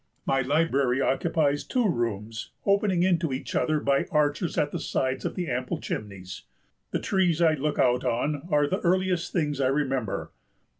My library occupies two rooms opening into each other by arches at the sides of the ample chimneys. The trees I look out on are the earliest things I remember.